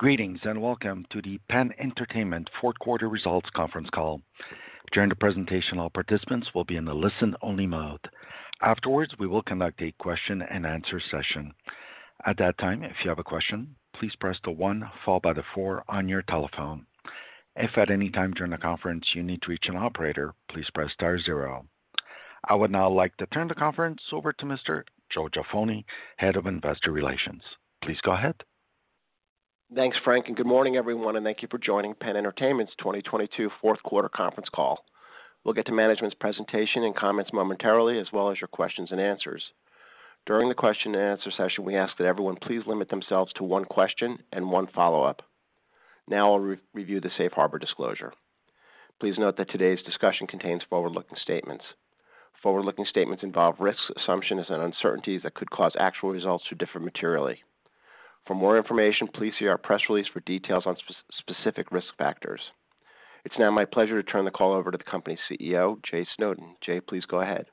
Greetings. Welcome to the PENN Entertainment fourth quarter results conference call. During the presentation, all participants will be in the listen-only mode. Afterwards, we will conduct a question-and-answer session. At that time, if you have a question, please press one followed by four on your telephone. If at any time during the conference you need to reach an operator, please press star 0. I would now like to turn the conference over to Mr. Joe Giuffone, Head of Investor Relations. Please go ahead. Thanks, Frank. Good morning, everyone, and thank you for joining PENN Entertainment's 2022 fourth quarter conference call. We'll get to management's presentation and comments momentarily, as well as your questions and answers. During the question-and-answer session, we ask that everyone please limit themselves to one question and one follow-up. Now I'll re-review the safe harbor disclosure. Please note that today's discussion contains forward-looking statements. Forward-looking statements involve risks, assumptions, and uncertainties that could cause actual results to differ materially. For more information, please see our press release for details on specific risk factors. It's now my pleasure to turn the call over to the company's CEO, Jay Snowden. Jay, please go ahead.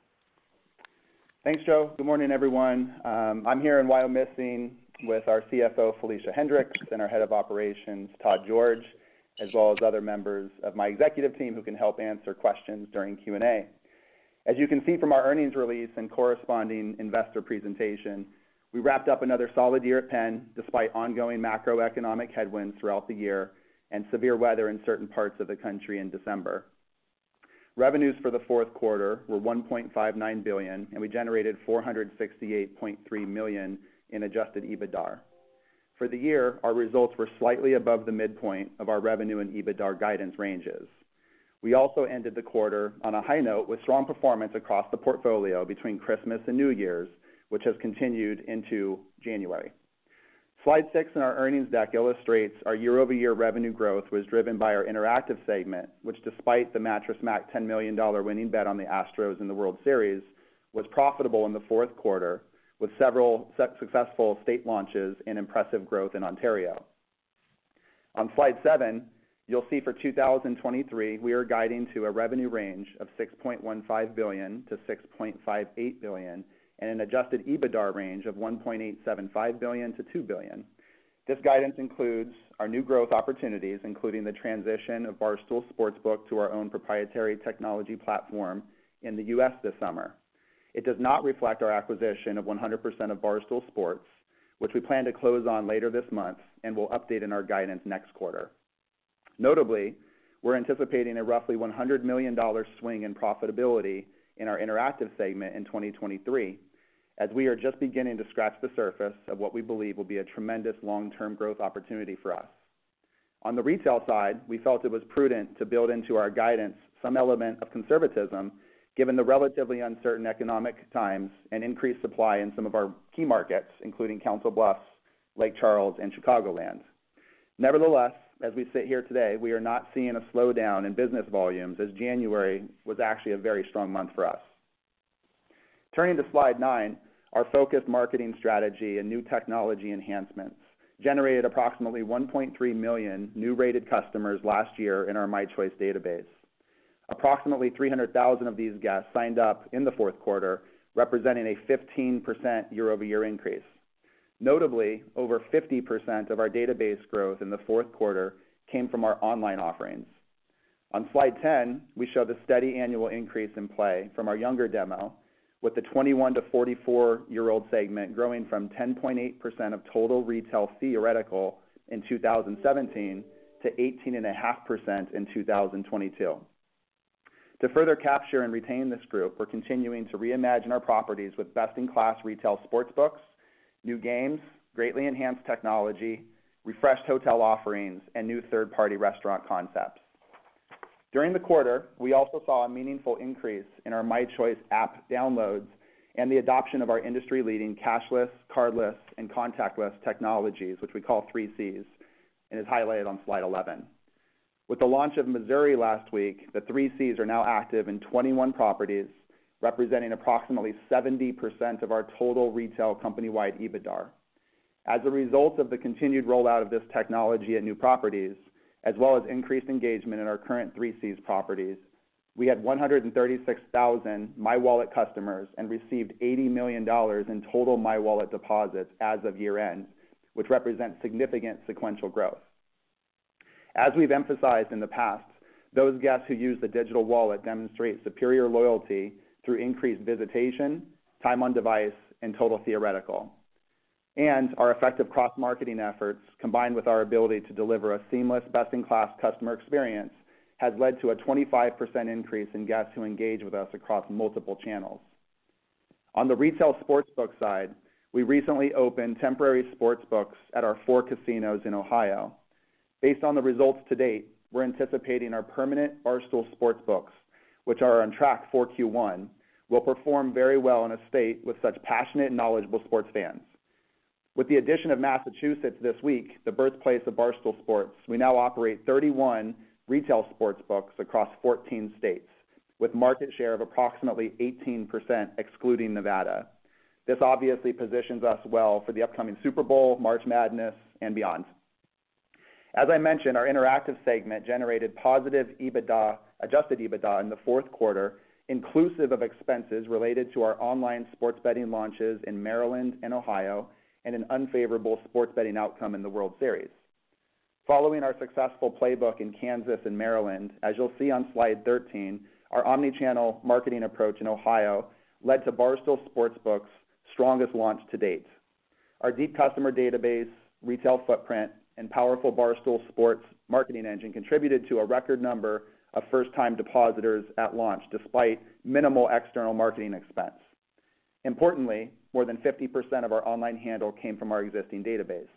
Thanks, Joe. Good morning, everyone. I'm here in Wyomissing with our CFO, Felicia Hendrix, and our Head of Operations, Todd George, as well as other members of my executive team who can help answer questions during Q&A. As you can see from our earnings release and corresponding investor presentation, we wrapped up another solid year at Penn despite ongoing macroeconomic headwinds throughout the year and severe weather in certain parts of the country in December. Revenues for the fourth quarter were $1.59 billion, we generated $468.3 million in adjusted EBITDAR. For the year, our results were slightly above the midpoint of our revenue and EBITDAR guidance ranges. We also ended the quarter on a high note with strong performance across the portfolio between Christmas and New Year's, which has continued into January. Slide six in our earnings deck illustrates our year-over-year revenue growth was driven by our interactive segment, which despite the Mattress Mack $10 million winning bet on the Astros in the World Series, was profitable in the fourth quarter with several successful state launches and impressive growth in Ontario. On slide seven, you'll see for 2023, we are guiding to a revenue range of $6.15 billion-$6.58 billion and an adjusted EBITDAR range of $1.875 billion-$2 billion. This guidance includes our new growth opportunities, including the transition of Barstool Sportsbook to our own proprietary technology platform in the U.S. this summer. It does not reflect our acquisition of 100% of Barstool Sports, which we plan to close on later this month and will update in our guidance next quarter. Notably, we're anticipating a roughly $100 million swing in profitability in our interactive segment in 2023, as we are just beginning to scratch the surface of what we believe will be a tremendous long-term growth opportunity for us. On the retail side, we felt it was prudent to build into our guidance some element of conservatism given the relatively uncertain economic times and increased supply in some of our key markets, including Council Bluffs, Lake Charles, and Chicagoland. Nevertheless, as we sit here today, we are not seeing a slowdown in business volumes as January was actually a very strong month for us. Turning to slide 9, our focused marketing strategy and new technology enhancements generated approximately 1.3 million new rated customers last year in our mychoice database. Approximately 300,000 of these guests signed up in the fourth quarter, representing a 15% year-over-year increase. Notably, over 50% of our database growth in the fourth quarter came from our online offerings. On slide 10, we show the steady annual increase in play from our younger demo, with the 21- to 44-year-old segment growing from 10.8% of total retail theoretical in 2017 to 18.5% in 2022. To further capture and retain this group, we're continuing to reimagine our properties with best-in-class retail sportsbooks, new games, greatly enhanced technology, refreshed hotel offerings, and new third-party restaurant concepts. During the quarter, we also saw a meaningful increase in our mychoice app downloads and the adoption of our industry-leading cashless, cardless, and contactless technologies, which we call 3C's and is highlighted on slide 11. With the launch of Missouri last week, the 3C's are now active in 21 properties, representing approximately 70% of our total retail company-wide EBITDAR. As a result of the continued rollout of this technology at new properties, as well as increased engagement in our current 3C's properties, we had 136,000 mywallet customers and received $80 million in total mywallet deposits as of year-end, which represents significant sequential growth. Our effective cross-marketing efforts, combined with our ability to deliver a seamless best-in-class customer experience, has led to a 25% increase in guests who engage with us across multiple channels. On the retail sportsbook side, we recently opened temporary sportsbooks at our four casinos in Ohio. Based on the results to date, we're anticipating our permanent Barstool Sportsbooks, which are on track for Q1, will perform very well in a state with such passionate and knowledgeable sports fans. With the addition of Massachusetts this week, the birthplace of Barstool Sports, we now operate 31 retail sportsbooks across 14 states, with market share of approximately 18% excluding Nevada. This obviously positions us well for the upcoming Super Bowl, March Madness, and beyond. I mentioned, our interactive segment generated positive EBITDA, adjusted EBITDA in the fourth quarter, inclusive of expenses related to our online sports betting launches in Maryland and Ohio and an unfavorable sports betting outcome in the World Series. Following our successful playbook in Kansas and Maryland, as you'll see on slide 13, our omni-channel marketing approach in Ohio led to Barstool Sportsbook's strongest launch to date. Our deep customer database, retail footprint, and powerful Barstool Sports marketing engine contributed to a record number of first-time depositors at launch despite minimal external marketing expense. Importantly, more than 50% of our online handle came from our existing database.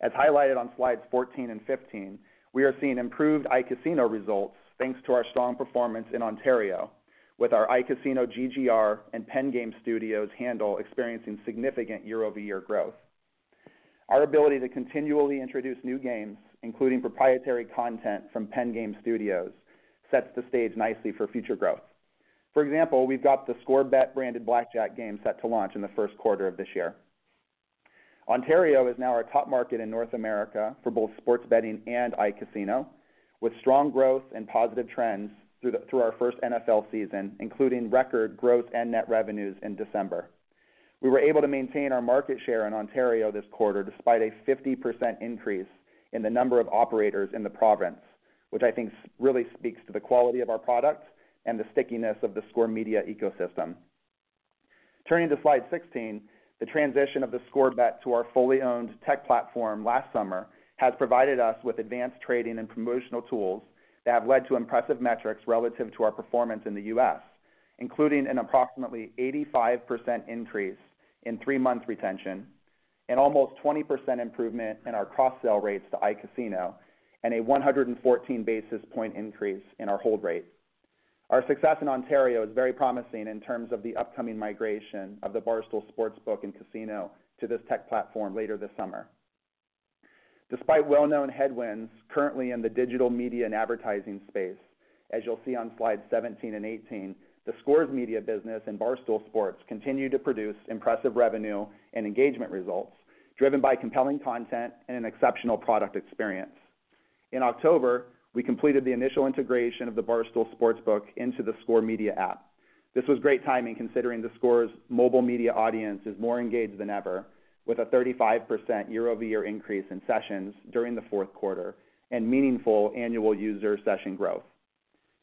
As highlighted on slides 14 and 15, we are seeing improved iCasino results thanks to our strong performance in Ontario with our iCasino GGR and PENN Game Studios handle experiencing significant year-over-year growth. Our ability to continually introduce new games, including proprietary content from PENN Game Studios, sets the stage nicely for future growth. For example, we've got theScore Bet branded blackjack game set to launch in the first quarter of this year. Ontario is now our top market in North America for both sports betting and iCasino, with strong growth and positive trends through our first NFL season, including record growth and net revenues in December. We were able to maintain our market share in Ontario this quarter despite a 50% increase in the number of operators in the province, which I think really speaks to the quality of our products and the stickiness of the Score Media ecosystem. Turning to slide 16, the transition of theScore Bet to our fully owned tech platform last summer has provided us with advanced trading and promotional tools that have led to impressive metrics relative to our performance in the U.S., including an approximately 85% increase in three-month retention, an almost 20% improvement in our cross-sell rates to iCasino, and a 114 basis point increase in our hold rate. Our success in Ontario is very promising in terms of the upcoming migration of the Barstool Sportsbook and Casino to this tech platform later this summer. Despite well-known headwinds currently in the digital media and advertising space, as you'll see on slides 17 and 18, theScore's media business and Barstool Sports continue to produce impressive revenue and engagement results, driven by compelling content and an exceptional product experience. In October, we completed the initial integration of the Barstool Sportsbook into the Score Media app. This was great timing considering theScore's mobile media audience is more engaged than ever, with a 35% year-over-year increase in sessions during the fourth quarter and meaningful annual user session growth.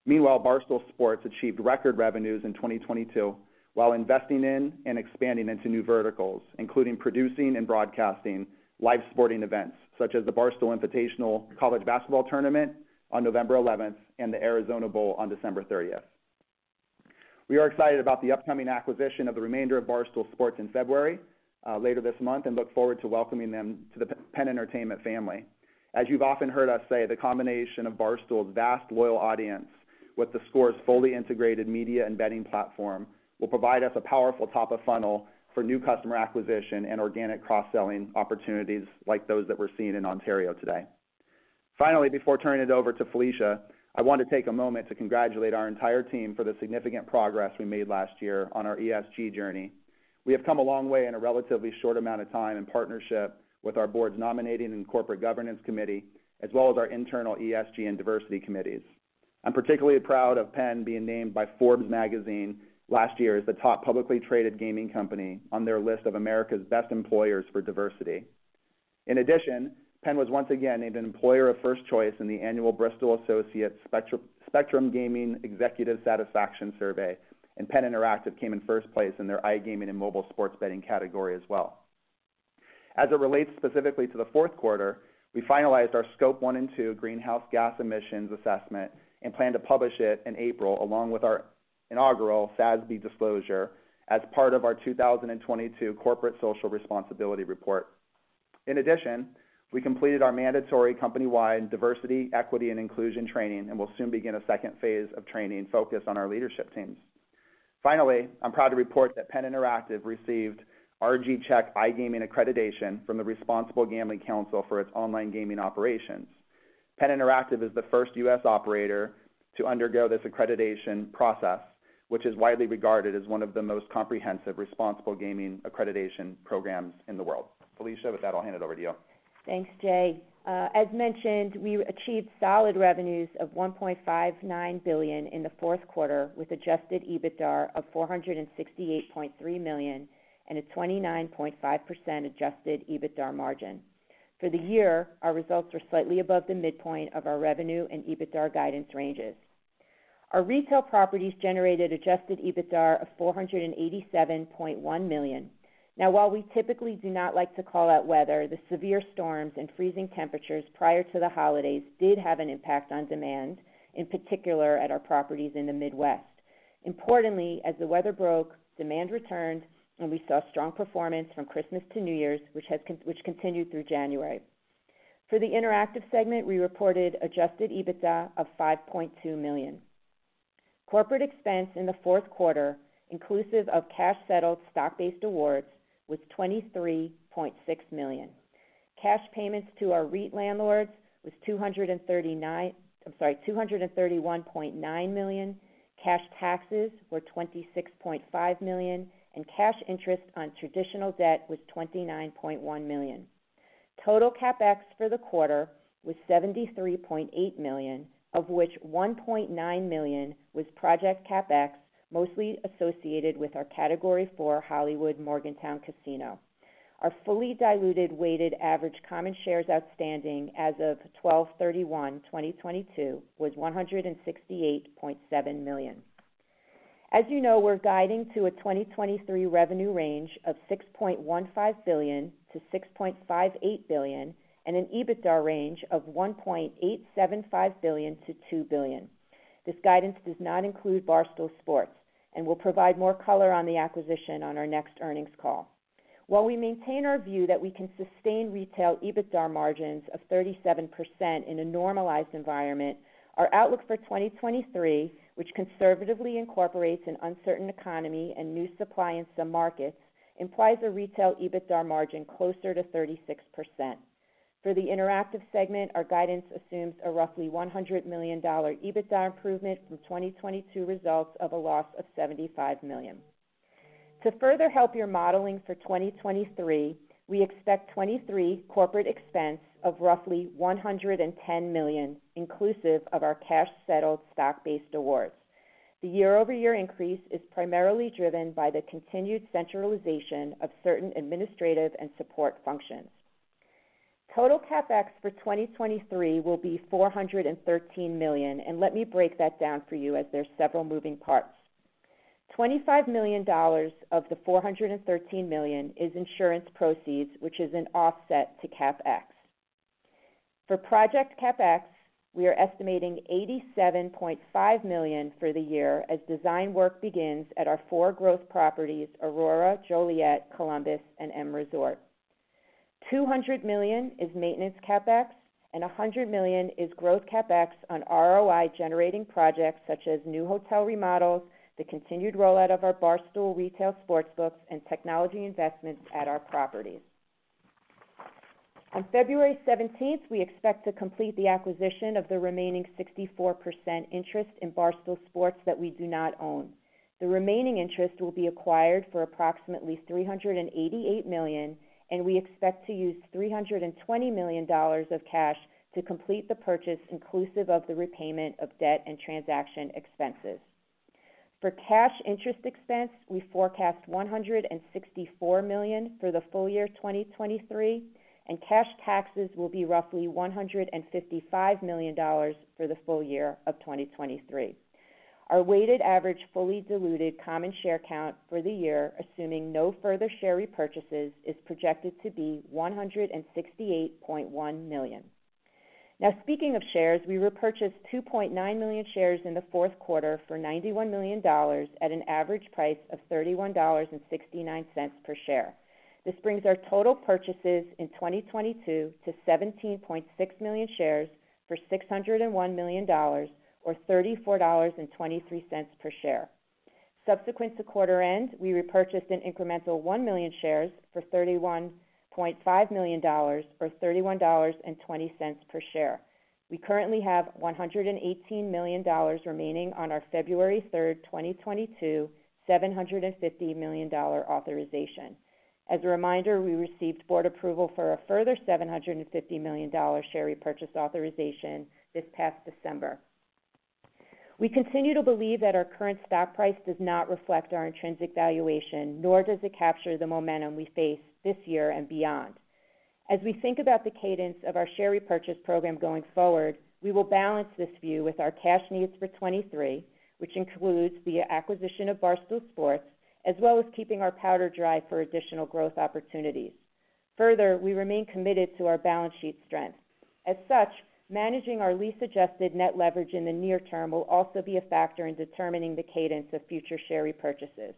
Meanwhile, Barstool Sports achieved record revenues in 2022 while investing in and expanding into new verticals, including producing and broadcasting live sporting events such as the Barstool Sports Invitational College Basketball Tournament on November 11th and the Arizona Bowl on December 30th. We are excited about the upcoming acquisition of the remainder of Barstool Sports in February, later this month and look forward to welcoming them to the Penn Entertainment family. As you've often heard us say, the combination of Barstool's vast loyal audience with theScore's fully integrated media and betting platform will provide us a powerful top of funnel for new customer acquisition and organic cross-selling opportunities like those that we're seeing in Ontario today. Before turning it over to Felicia, I want to take a moment to congratulate our entire team for the significant progress we made last year on our ESG journey. We have come a long way in a relatively short amount of time in partnership with our board's nominating and corporate governance committee, as well as our internal ESG and diversity committees. I'm particularly proud of PENN being named by Forbes magazine last year as the top publicly traded gaming company on their list of America's best employers for diversity. PENN was once again named an employer of first choice in the annual Bristol Associates Spectrum Gaming Executive Satisfaction Survey, and PENN Interactive came in first place in their iGaming and mobile sports betting category as well. As it relates specifically to the fourth quarter, we finalized our Scope one and one greenhouse gas emissions assessment and plan to publish it in April along with our inaugural SASB disclosure as part of our 2022 corporate social responsibility report. We completed our mandatory company-wide diversity, equity, and inclusion training, and will soon begin a second phase of training focused on our leadership teams. I'm proud to report that PENN Interactive received RG Check iGaming accreditation from the Responsible Gambling Council for its online gaming operations. PENN Interactive is the first U.S. operator to undergo this accreditation process, which is widely regarded as one of the most comprehensive responsible gaming accreditation programs in the world. Felicia, with that, I'll hand it over to you. Thanks, Jay. As mentioned, we achieved solid revenues of $1.59 billion in the fourth quarter with adjusted EBITDA of $468.3 million and a 29.5% adjusted EBITDA margin. For the year, our results were slightly above the midpoint of our revenue and EBITDA guidance ranges. Our retail properties generated adjusted EBITDA of $487.1 million. While we typically do not like to call out weather, the severe storms and freezing temperatures prior to the holidays did have an impact on demand, in particular at our properties in the Midwest. Importantly, as the weather broke, demand returned, and we saw strong performance from Christmas to New Year's, which continued through January. For the interactive segment, we reported adjusted EBITDA of $5.2 million. Corporate expense in the fourth quarter, inclusive of cash-settled stock-based awards, was $23.6 million. Cash payments to our REIT landlords was $231.9 million. Cash taxes were $26.5 million, and cash interest on traditional debt was $29.1 million. Total CapEx for the quarter was $73.8 million, of which $1.9 million was project CapEx, mostly associated with our Category 4 Hollywood Morgantown Casino. Our fully diluted weighted average common shares outstanding as of 12/31/2022 was 168.7 million. As you know, we're guiding to a 2023 revenue range of $6.15 billion-$6.58 billion and an EBITDA range of $1.875 billion-$2 billion. This guidance does not include Barstool Sports. We'll provide more color on the acquisition on our next earnings call. While we maintain our view that we can sustain retail EBITDA margins of 37% in a normalized environment, our outlook for 2023, which conservatively incorporates an uncertain economy and new supply in some markets, implies a retail EBITDA margin closer to 36%. For the interactive segment, our guidance assumes a roughly $100 million EBITDA improvement from 2022 results of a loss of $75 million. To further help your modeling for 2023, we expect 2023 corporate expense of roughly $110 million, inclusive of our cash-settled stock-based awards. The year-over-year increase is primarily driven by the continued centralization of certain administrative and support functions. Total CapEx for 2023 will be $413 million. Let me break that down for you as there are several moving parts. $25 million of the $413 million is insurance proceeds, which is an offset to CapEx. For project CapEx, we are estimating $87.5 million for the year as design work begins at our four growth properties, Aurora, Joliet, Columbus, and M Resort. $200 million is maintenance CapEx. $100 million is growth CapEx on ROI-generating projects such as new hotel remodels, the continued rollout of our Barstool Retail sportsbooks, and technology investments at our properties. On February 17th, we expect to complete the acquisition of the remaining 64% interest in Barstool Sports that we do not own. The remaining interest will be acquired for approximately $388 million. We expect to use $320 million of cash to complete the purchase inclusive of the repayment of debt and transaction expenses. For cash interest expense, we forecast $164 million for the full year 2023. Cash taxes will be roughly $155 million for the full year of 2023. Our weighted average fully diluted common share count for the year, assuming no further share repurchases, is projected to be 168.1 million. Speaking of shares, we repurchased 2.9 million shares in the fourth quarter for $91 million at an average price of $31.69 per share. This brings our total purchases in 2022 to 17.6 million shares for $601 million or $34.23 per share. Subsequent to quarter end, we repurchased an incremental 1 million shares for $31.5 million or $31.20 per share. We currently have $118 million remaining on our February third, 2022, $750 million authorization. As a reminder, we received board approval for a further $750 million share repurchase authorization this past December. We continue to believe that our current stock price does not reflect our intrinsic valuation, nor does it capture the momentum we face this year and beyond. As we think about the cadence of our share repurchase program going forward, we will balance this view with our cash needs for 2023, which includes the acquisition of Barstool Sports, as well as keeping our powder dry for additional growth opportunities. Further, we remain committed to our balance sheet strength. As such, managing our lease-adjusted net leverage in the near term will also be a factor in determining the cadence of future share repurchases.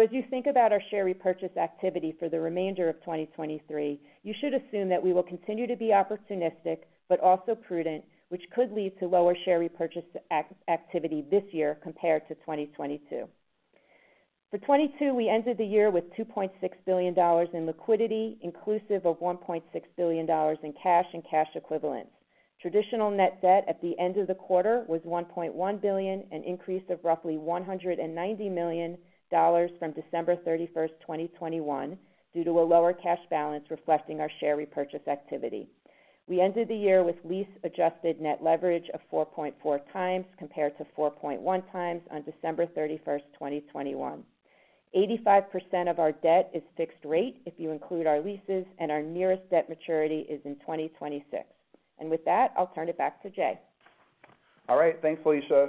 As you think about our share repurchase activity for the remainder of 2023, you should assume that we will continue to be opportunistic but also prudent, which could lead to lower share repurchase activity this year compared to 2022. For 2022, we ended the year with $2.6 billion in liquidity, inclusive of $1.6 billion in cash and cash equivalents. Traditional net debt at the end of the quarter was $1.1 billion, an increase of roughly $190 million from December 31, 2021, due to a lower cash balance reflecting our share repurchase activity. We ended the year with lease-adjusted net leverage of 4.4x compared to 4.1x on December 31, 2021. 85% of our debt is fixed rate if you include our leases. Our nearest debt maturity is in 2026. With that, I'll turn it back to Jay. All right. Thanks, Felicia.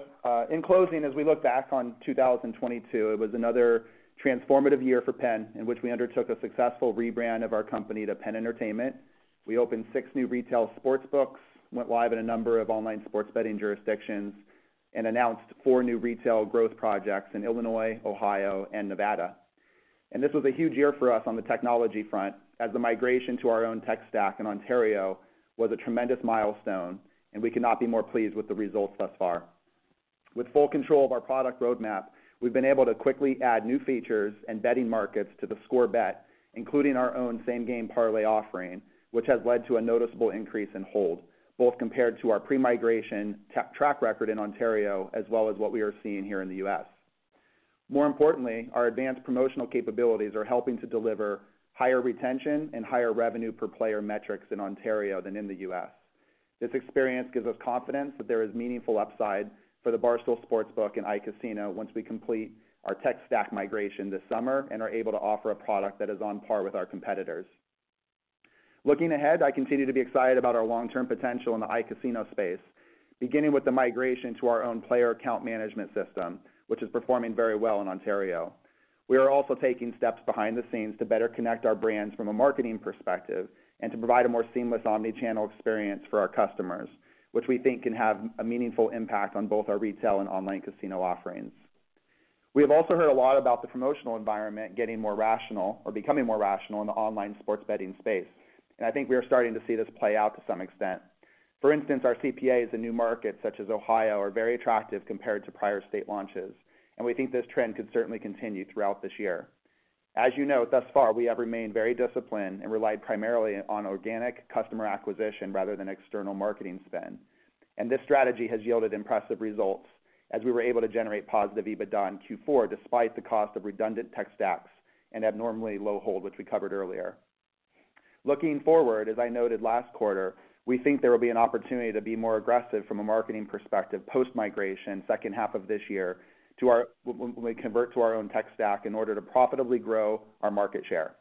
In closing, as we look back on 2022, it was another transformative year for PENN in which we undertook a successful rebrand of our company to PENN Entertainment. We opened six new retail sportsbooks, went live in a number of online sports betting jurisdictions, and announced four new retail growth projects in Illinois, Ohio, and Nevada. This was a huge year for us on the technology front as the migration to our own tech stack in Ontario was a tremendous milestone, and we cannot be more pleased with the results thus far. With full control of our product roadmap, we've been able to quickly add new features and betting markets to theScore Bet, including our own same-game parlay offering, which has led to a noticeable increase in hold, both compared to our pre-migration track record in Ontario as well as what we are seeing here in the U.S. More importantly, our advanced promotional capabilities are helping to deliver higher retention and higher revenue per player metrics in Ontario than in the U.S. This experience gives us confidence that there is meaningful upside for the Barstool Sportsbook and iCasino once we complete our tech stack migration this summer and are able to offer a product that is on par with our competitors. Looking ahead, I continue to be excited about our long-term potential in the iCasino space, beginning with the migration to our own Player Account Management system, which is performing very well in Ontario. We are also taking steps behind the scenes to better connect our brands from a marketing perspective and to provide a more seamless omni-channel experience for our customers, which we think can have a meaningful impact on both our retail and online casino offerings. We have also heard a lot about the promotional environment getting more rational or becoming more rational in the online sports betting space. I think we are starting to see this play out to some extent. For instance, our CPAs in new markets such as Ohio are very attractive compared to prior state launches, and we think this trend could certainly continue throughout this year. As you know, thus far, we have remained very disciplined and relied primarily on organic customer acquisition rather than external marketing spend. This strategy has yielded impressive results as we were able to generate positive EBITDA in Q4 despite the cost of redundant tech stacks and abnormally low hold, which we covered earlier. Looking forward, as I noted last quarter, we think there will be an opportunity to be more aggressive from a marketing perspective post-migration second half of this year when we convert to our own tech stack in order to profitably grow our market share,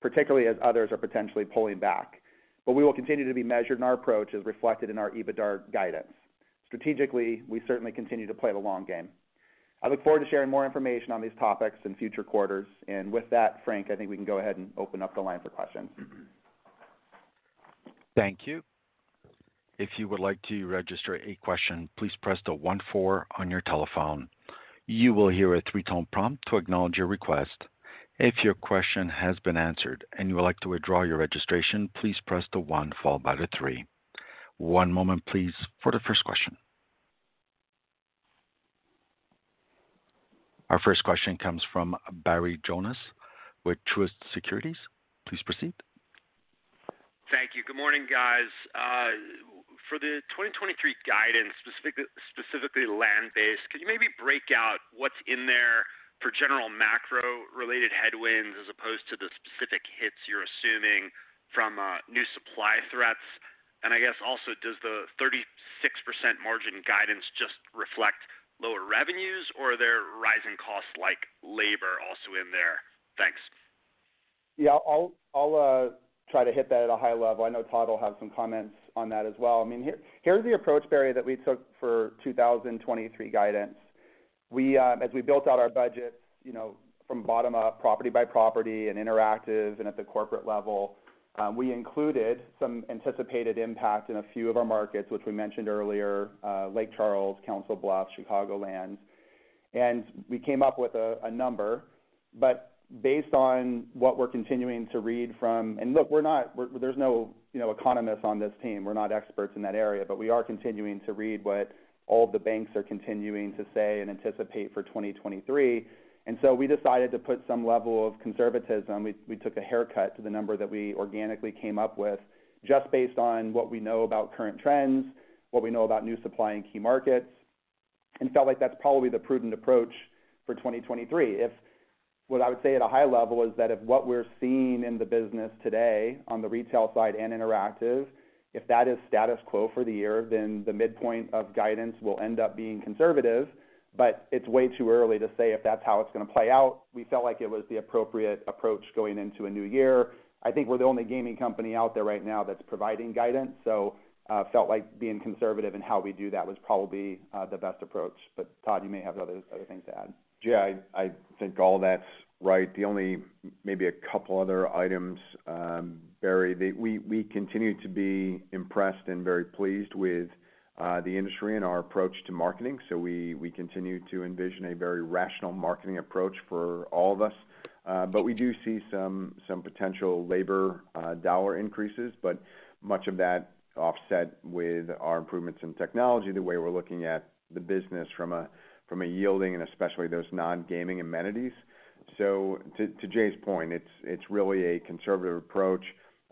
particularly as others are potentially pulling back. We will continue to be measured in our approach as reflected in our EBITDAR guidance. Strategically, we certainly continue to play the long game. I look forward to sharing more information on these topics in future quarters. With that, Frank, I think we can go ahead and open up the line for questions. Thank you. If you would like to register a question, please press the one four on your telephone. You will hear a three-tone prompt to acknowledge your request. If your question has been answered and you would like to withdraw your registration, please press the one followed by the three. One moment please for the first question. Our first question comes from Barry Jonas with Truist Securities. Please proceed. Thank you. Good morning, guys. For the 2023 guidance, specifically land-based, could you maybe break out what's in there for general macro-related headwinds as opposed to the specific hits you're assuming from new supply threats? I guess also, does the 36% margin guidance just reflect lower revenues or are there rising costs like labor also in there? Thanks. Yeah, I'll try to hit that at a high level. I know Todd will have some comments on that as well. I mean, here's the approach, Barry, that we took for 2023 guidance. We, as we built out our budget, you know, from bottom up, property by property in PENN Interactive and at the corporate level, we included some anticipated impact in a few of our markets, which we mentioned earlier, Lake Charles, Council Bluffs, Chicagoland. We came up with a number. Based on what we're continuing to read from... Look, we're not, there's no, you know, economists on this team. We're not experts in that area. We are continuing to read what all the banks are continuing to say and anticipate for 2023. We decided to put some level of conservatism. We took a haircut to the number that we organically came up with just based on what we know about current trends, what we know about new supply in key markets, and felt like that's probably the prudent approach for 2023. What I would say at a high level is that if what we're seeing in the business today on the retail side and Interactive, if that is status quo for the year, then the midpoint of guidance will end up being conservative. It's way too early to say if that's how it's gonna play out. We felt like it was the appropriate approach going into a new year. I think we're the only gaming company out there right now that's providing guidance. Felt like being conservative in how we do that was probably the best approach. Todd, you may have other things to add. Jay, I think all that's right. The only maybe a couple other items, Barry, we continue to be impressed and very pleased with the industry and our approach to marketing. We continue to envision a very rational marketing approach for all of us. We do see some potential labor dollar increases. Much of that offset with our improvements in technology, the way we're looking at the business from a yielding and especially those non-gaming amenities. To Jay's point, it's really a conservative approach,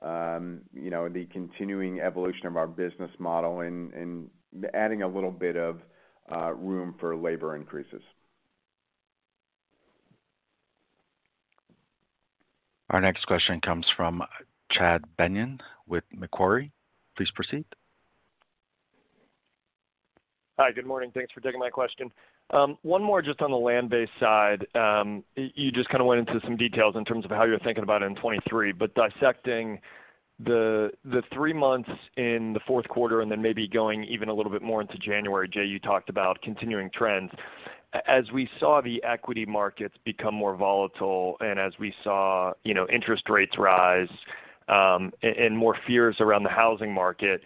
you know, the continuing evolution of our business model and adding a little bit of room for labor increases. Our next question comes from Chad Beynon with Macquarie. Please proceed. Hi. Good morning. Thanks for taking my question. 1 more just on the land-based side. You just kind of went into some details in terms of how you're thinking about it in 2023. Dissecting the 3 months in the fourth quarter and then maybe going even a little bit more into January, Jay, you talked about continuing trends. As we saw the equity markets become more volatile and as we saw, you know, interest rates rise, and more fears around the housing market,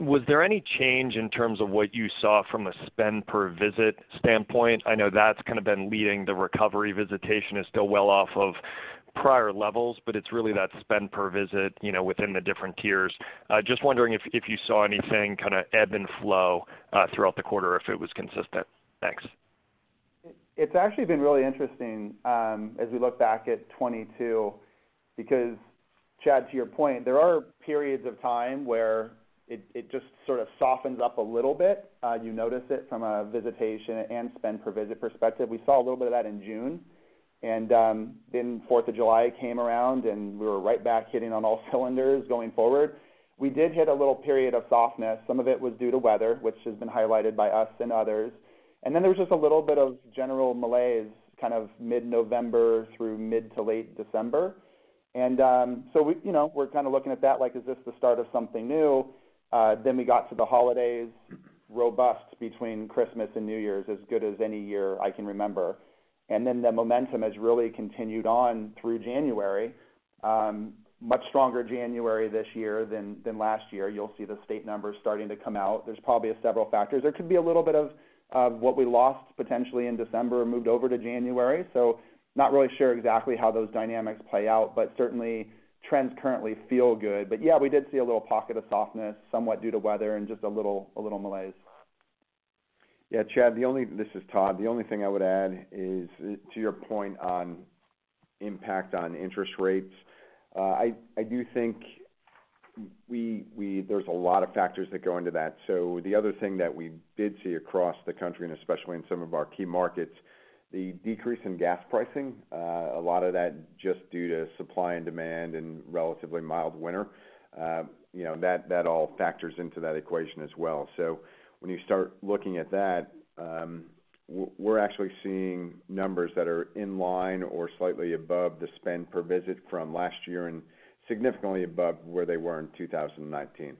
was there any change in terms of what you saw from a spend per visit standpoint? I know that's kind of been leading the recovery. Visitation is still well off of prior levels, but it's really that spend per visit, you know, within the different tiers. just wondering if you saw anything kind of ebb and flow throughout the quarter or if it was consistent. Thanks. It's actually been really interesting, as we look back at 22 because Chad, to your point, there are periods of time where it just sort of softens up a little bit. You notice it from a visitation and spend per visit perspective. We saw a little bit of that in June, and then Fourth of July came around, and we were right back hitting on all cylinders going forward. We did hit a little period of softness. Some of it was due to weather, which has been highlighted by us and others. There was just a little bit of general malaise kind of mid-November through mid to late December. So you know, we're kind of looking at that, like, is this the start of something new? Then we got to the holidays, robust between Christmas and New Year's, as good as any year I can remember. The momentum has really continued on through January. Much stronger January this year than last year. You'll see the state numbers starting to come out. There's probably several factors. There could be a little bit of what we lost potentially in December moved over to January. Not really sure exactly how those dynamics play out, but certainly trends currently feel good. Yeah, we did see a little pocket of softness, somewhat due to weather and just a little malaise. Yeah, Chad. This is Todd. The only thing I would add is to your point on impact on interest rates. I do think we, there's a lot of factors that go into that. The other thing that we did see across the country, and especially in some of our key markets, the decrease in gas pricing, a lot of that just due to supply and demand and relatively mild winter, you know, that all factors into that equation as well. When you start looking at that, we're actually seeing numbers that are in line or slightly above the spend per visit from last year and significantly above where they were in 2019.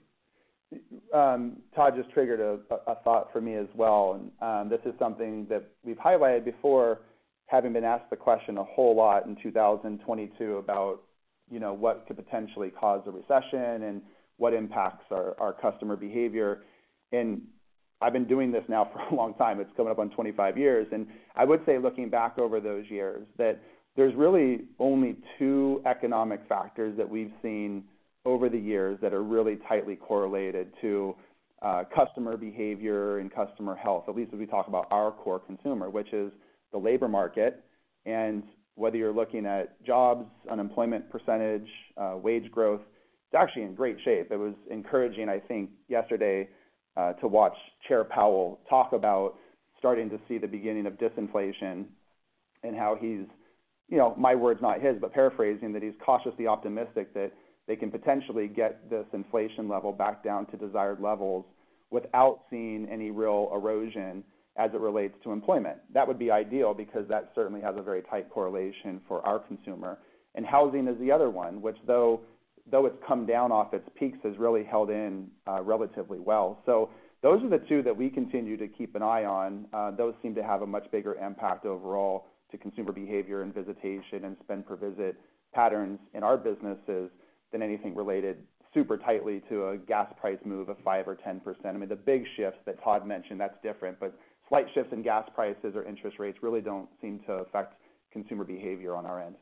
Todd just triggered a thought for me as well. This is something that we've highlighted before, having been asked the question a whole lot in 2022 about, you know, what could potentially cause a recession and what impacts our customer behavior. I've been doing this now for a long time. It's coming up on 25 years. I would say, looking back over those years, that there's really only two economic factors that we've seen over the years that are really tightly correlated to customer behavior and customer health, at least as we talk about our core consumer, which is the labor market. Whether you're looking at jobs, unemployment %, wage growth, it's actually in great shape. It was encouraging, I think, yesterday, to watch Jerome Powell talk about starting to see the beginning of disinflation and how he's, you know, my words, not his, but paraphrasing, that he's cautiously optimistic that they can potentially get this inflation level back down to desired levels without seeing any real erosion as it relates to employment. That would be ideal because that certainly has a very tight correlation for our consumer. Housing is the other one, which though it's come down off its peaks, has really held in relatively well. Those are the two that we continue to keep an eye on. Those seem to have a much bigger impact overall to consumer behavior and visitation and spend per visit patterns in our businesses than anything related super tightly to a gas price move of 5% or 10%. I mean, the big shifts that Todd mentioned, that's different, but slight shifts in gas prices or interest rates really don't seem to affect consumer behavior on our end.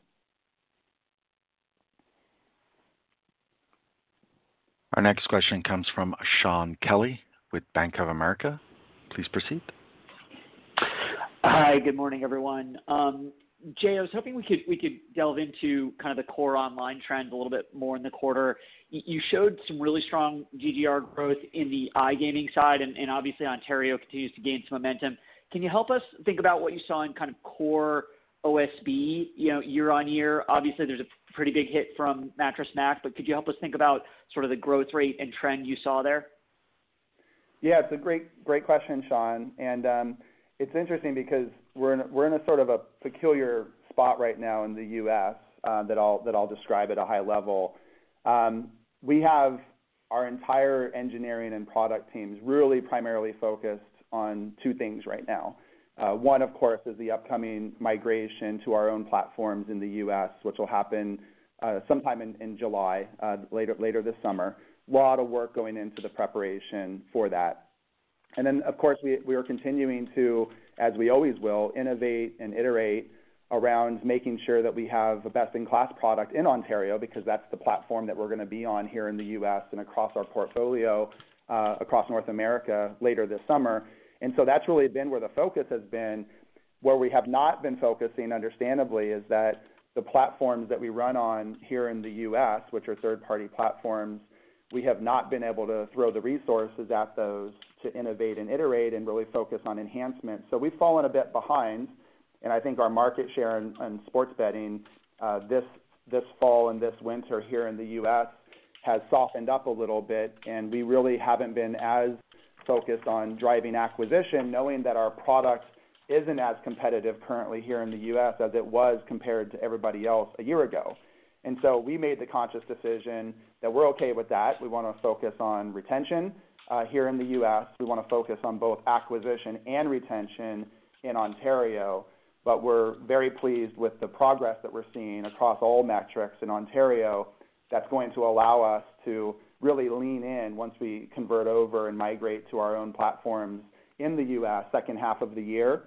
Our next question comes from Shaun Kelley with Bank of America. Please proceed. Hi, good morning, everyone. Jay, I was hoping we could delve into kind of the core online trend a little bit more in the quarter. You showed some really strong GGR growth in the iGaming side, and obviously Ontario continues to gain some momentum. Can you help us think about what you saw in kind of core OSB, you know, year-on-year? Obviously, there's a pretty big hit from Mattress Mack, but could you help us think about sort of the growth rate and trend you saw there? Yeah, it's a great question, Shaun. It's interesting because we're in a sort of a peculiar spot right now in the U.S. that I'll describe at a high level. We have our entire engineering and product teams really primarily focused on two things right now. One, of course, is the upcoming migration to our own platforms in the U.S. which will happen sometime in July later this summer. A lot of work going into the preparation for that. Of course, we are continuing to, as we always will, innovate and iterate around making sure that we have a best-in-class product in Ontario because that's the platform that we're gonna be on here in the U.S. and across our portfolio across North America later this summer. That's really been where the focus has been. Where we have not been focusing, understandably, is that the platforms that we run on here in the U.S., which are third-party platforms, we have not been able to throw the resources at those to innovate and iterate and really focus on enhancement. We've fallen a bit behind, and I think our market share in sports betting this fall and this winter here in the U.S. has softened up a little bit, and we really haven't been as focused on driving acquisition, knowing that our product isn't as competitive currently here in the U.S. as it was compared to everybody else a year ago. We made the conscious decision that we're okay with that. We wanna focus on retention here in the U.S. We wanna focus on both acquisition and retention in Ontario. We're very pleased with the progress that we're seeing across all metrics in Ontario that's going to allow us to really lean in once we convert over and migrate to our own platforms in the U.S. second half of the year.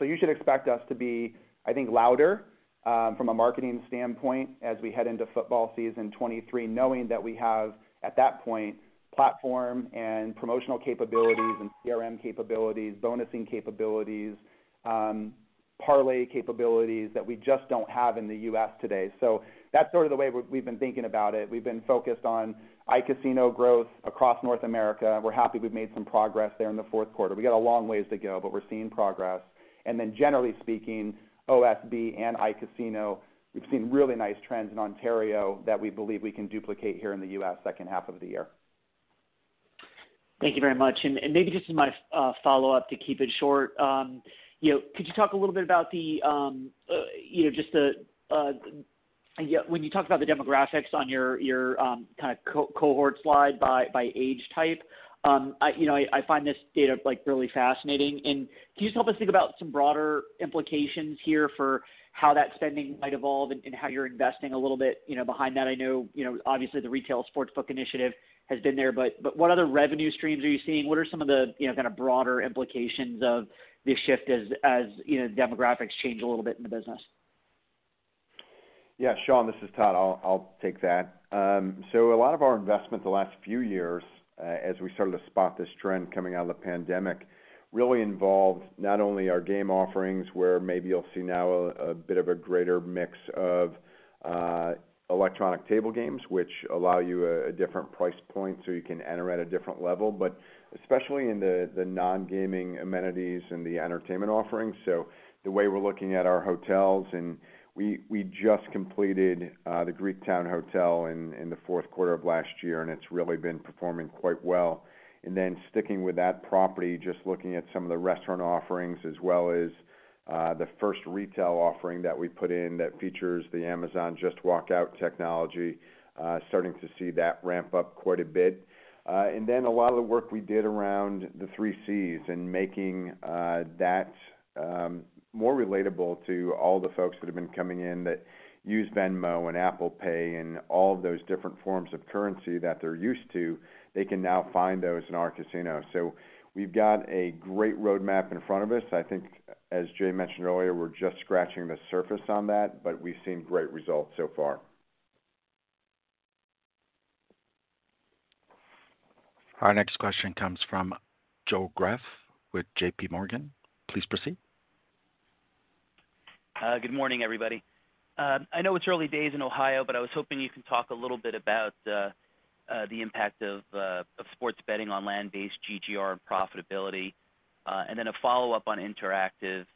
You should expect us to be, I think, louder from a marketing standpoint as we head into football season 2023, knowing that we have, at that point, platform and promotional capabilities and CRM capabilities, bonusing capabilities, parlay capabilities that we just don't have in the U.S. today. That's sort of the way we've been thinking about it. We've been focused on iCasino growth across North America. We're happy we've made some progress there in the fourth quarter. We got a long ways to go. We're seeing progress. Generally speaking, OSB and iCasino, we've seen really nice trends in Ontario that we believe we can duplicate here in the US second half of the year. Thank you very much. Maybe just my follow-up to keep it short. You know, could you talk a little bit about the, you know, just the, yeah, when you talk about the demographics on your kind of co-cohort slide by age type, I, you know, I find this data, like, really fascinating. Can you just help us think about some broader implications here for how that spending might evolve and how you're investing a little bit, you know, behind that? I know, you know, obviously the retail sportsbook initiative has been there, but what other revenue streams are you seeing? What are some of the, you know, kind of broader implications of this shift as, you know, demographics change a little bit in the business? Yeah, Shaun, this is Todd. I'll take that. A lot of our investment the last few years, as we started to spot this trend coming out of the pandemic, really involved not only our game offerings, where maybe you'll see now a bit of a greater mix of electronic table games, which allow you a different price point so you can enter at a different level. Especially in the non-gaming amenities and the entertainment offerings. The way we're looking at our hotels, and we just completed the Greektown Hotel in the fourth quarter of last year, and it's really been performing quite well. Sticking with that property, just looking at some of the restaurant offerings as well as the first retail offering that we put in that features the Amazon Just Walk Out technology, starting to see that ramp up quite a bit. A lot of the work we did around the 3C's and making that more relatable to all the folks that have been coming in that use Venmo and Apple Pay and all of those different forms of currency that they're used to, they can now find those in our casino. We've got a great roadmap in front of us. I think, as Jay mentioned earlier, we're just scratching the surface on that, but we've seen great results so far. Our next question comes from Joseph Greff with J.P. Morgan. Please proceed. Good morning, everybody. I know it's early days in Ohio, but I was hoping you can talk a little bit about the impact of sports betting on land-based GGR and profitability. A follow-up on Interactive.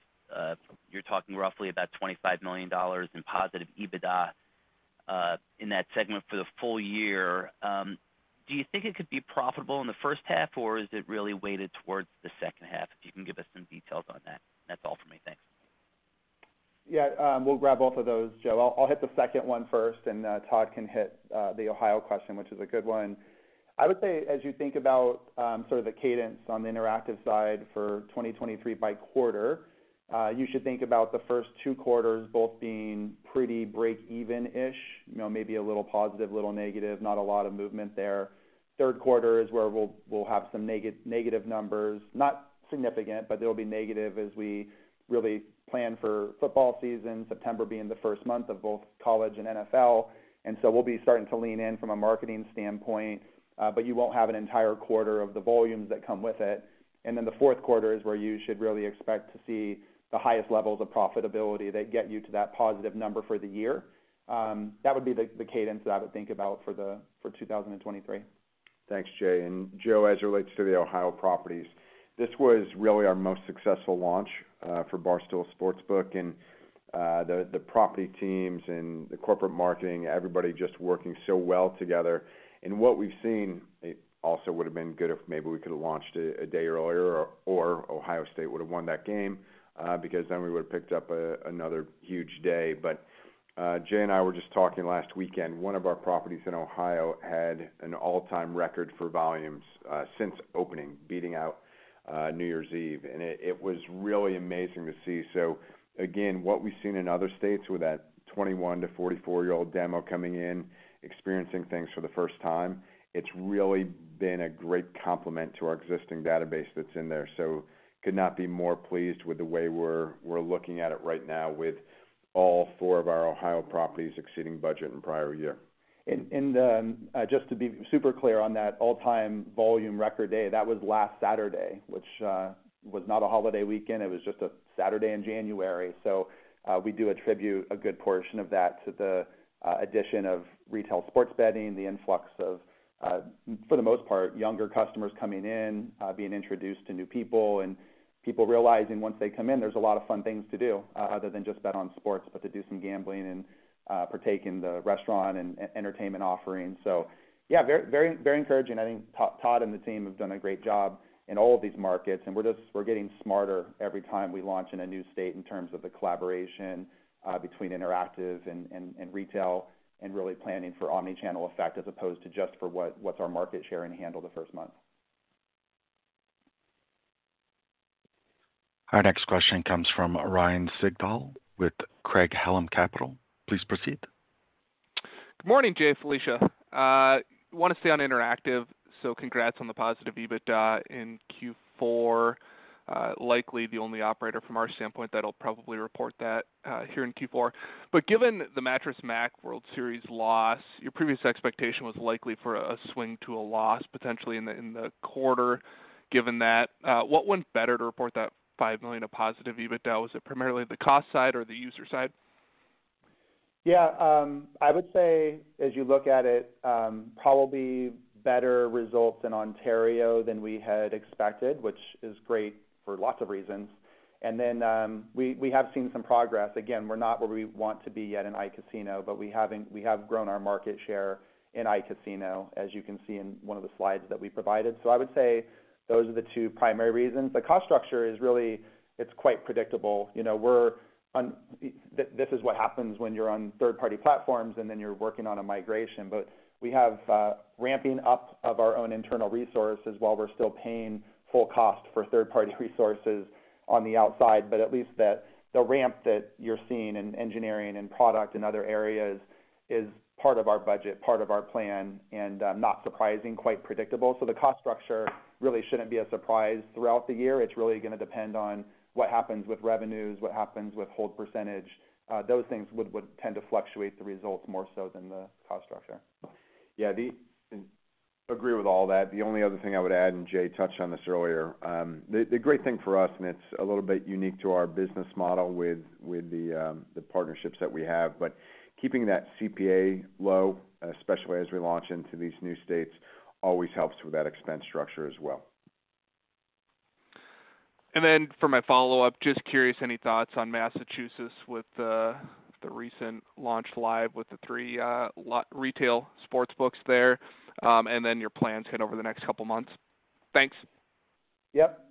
You're talking roughly about $25 million in positive EBITDA in that segment for the full year. Do you think it could be profitable in the first half, or is it really weighted towards the second half? If you can give us some details on that. That's all for me. Thanks. Yeah. We'll grab both of those, Joel. I'll hit the second one first, and Todd can hit the Ohio question, which is a good one. I would say, as you think about, sort of the cadence on the interactive side for 2023 by quarter, you should think about the first two quarters both being pretty break-even-ish, you know, maybe a little positive, little negative, not a lot of movement there. Third quarter is where we'll have some negative numbers. Not significant, but they'll be negative as we really plan for football season, September being the first month of both college and NFL. We'll be starting to lean in from a marketing standpoint. You won't have an entire quarter of the volumes that come with it. The fourth quarter is where you should really expect to see the highest levels of profitability that get you to that positive number for the year. That would be the cadence that I would think about for 2023. Thanks, Jay. Joe, as it relates to the Ohio properties, this was really our most successful launch for Barstool Sportsbook and the property teams and the corporate marketing, everybody just working so well together. What we've seen, it also would have been good if maybe we could have launched a day earlier or Ohio State would have won that game, because then we would have picked up another huge day. Jay and I were just talking last weekend. One of our properties in Ohio had an all-time record for volumes since opening, beating out New Year's Eve. It was really amazing to see. Again, what we've seen in other states with that 21- to 44-year-old demo coming in, experiencing things for the first time, it's really been a great complement to our existing database that's in there. Could not be more pleased with the way we're looking at it right now with all four of our Ohio properties exceeding budget in prior year. Just to be super clear on that all-time volume record day, that was last Saturday, which was not a holiday weekend, it was just a Saturday in January. We do attribute a good portion of that to the addition of retail sports betting, the influx of for the most part, younger customers coming in, being introduced to new people and people realizing once they come in, there's a lot of fun things to do other than just bet on sports, but to do some gambling and partake in the restaurant and entertainment offerings. Yeah, very, very, very encouraging. I think Todd and the team have done a great job in all of these markets, and we're getting smarter every time we launch in a new state in terms of the collaboration between PENN Interactive and retail and really planning for omni-channel effect as opposed to just for what's our market share and handle the first month. Our next question comes from Ryan Sigdahl with Craig-Hallum Capital. Please proceed. Good morning, Jay, Felicia. Wanna stay on PENN Interactive, congrats on the positive EBITDA in Q4. Likely the only operator from our standpoint that'll probably report that here in Q4. Given the Mattress Mack World Series loss, your previous expectation was likely for a swing to a loss potentially in the quarter given that. What went better to report that $5 million of positive EBITDA? Was it primarily the cost side or the user side? I would say as you look at it, probably better results in Ontario than we had expected, which is great for lots of reasons. We have seen some progress. Again, we're not where we want to be yet in iCasino, but we have grown our market share in iCasino, as you can see in one of the slides that we provided. I would say those are the two primary reasons. The cost structure is really, it's quite predictable. You know, this is what happens when you're on third-party platforms, and then you're working on a migration. We have ramping up of our own internal resources while we're still paying full cost for third-party resources on the outside. At least that the ramp that you're seeing in engineering and product and other areas is part of our budget, part of our plan, and not surprising, quite predictable. The cost structure really shouldn't be a surprise throughout the year. It's really gonna depend on what happens with revenues, what happens with hold percentage. Those things would tend to fluctuate the results more so than the cost structure. Agree with all that. The only other thing I would add, Jay touched on this earlier. The great thing for us, and it's a little bit unique to our business model with the partnerships that we have. Keeping that CPA low, especially as we launch into these new states, always helps with that expense structure as well. For my follow-up, just curious, any thoughts on Massachusetts with the recent launch live with the 3 retail sportsbooks there, and then your plans head over the next couple months? Thanks. Yep.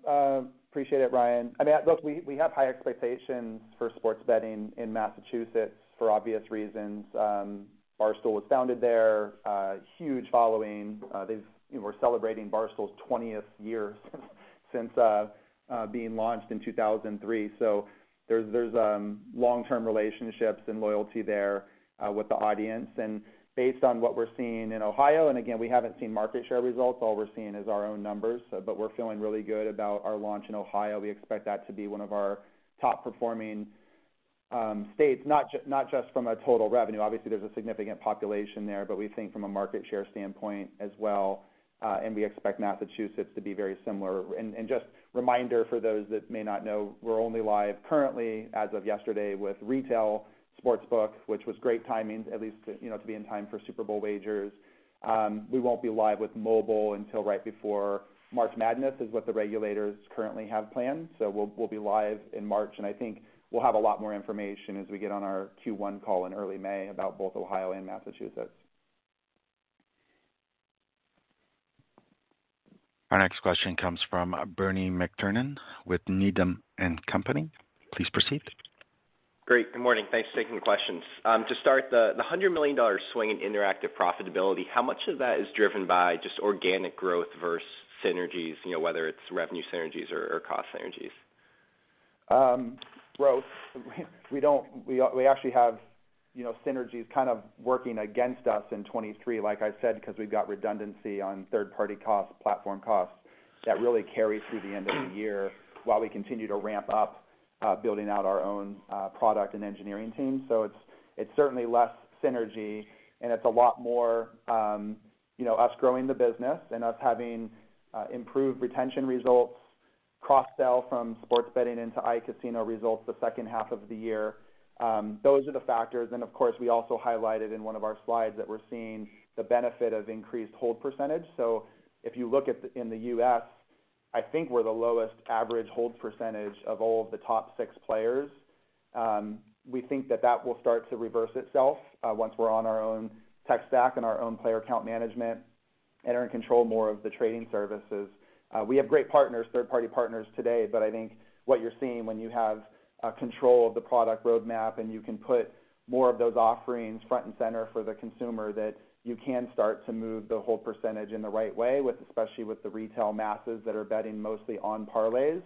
Appreciate it, Ryan. I mean, look, we have high expectations for sports betting in Massachusetts for obvious reasons. Barstool was founded there, huge following. You know, we're celebrating Barstool's 20th year since being launched in 2003. There's long-term relationships and loyalty there with the audience. Based on what we're seeing in Ohio, and again, we haven't seen market share results, all we're seeing is our own numbers, but we're feeling really good about our launch in Ohio. We expect that to be one of our top-performing states, not just from a total revenue. Obviously, there's a significant population there, but we think from a market share standpoint as well, and we expect Massachusetts to be very similar. Just reminder for those that may not know, we're only live currently as of yesterday with retail sportsbook, which was great timing, at least, you know, to be in time for Super Bowl wagers. We won't be live with mobile until right before March Madness, is what the regulators currently have planned. We'll be live in March, and I think we'll have a lot more information as we get on our Q1 call in early May about both Ohio and Massachusetts. Our next question comes from Bernie McTernan with Needham & Company. Please proceed. Great. Good morning. Thanks for taking the questions. To start, the $100 million swing in Interactive profitability, how much of that is driven by just organic growth versus synergies, you know, whether it's revenue synergies or cost synergies? Growth, we actually have, you know, synergies kind of working against us in 2023, like I said, because we've got redundancy on third-party costs, platform costs that really carry through the end of the year while we continue to ramp up building out our own product and engineering team. It's certainly less synergy, and it's a lot more, you know, us growing the business and us having improved retention results, cross-sell from sports betting into iCasino results the second half of the year. Those are the factors. Of course, we also highlighted in one of our slides that we're seeing the benefit of increased hold %. If you look at the U.S., I think we're the lowest average hold % of all of the top 6 players. We think that that will start to reverse itself once we're on our own tech stack and our own Player Account Management and are in control more of the trading services. We have great partners, third-party partners today. I think what you're seeing when you have control of the product roadmap and you can put more of those offerings front and center for the consumer, that you can start to move the whole percentage in the right way with, especially with the retail masses that are betting mostly on parlays.